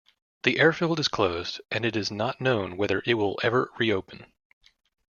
The airfield is closed and it is not known whether it will ever reopen.